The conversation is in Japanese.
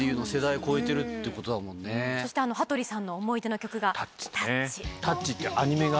そして羽鳥さんの思い出の曲が『タッチ』。